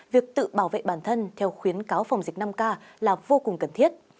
việc tự bảo vệ bản thân theo khuyến cáo phòng dịch năm k là vô cùng cần thiết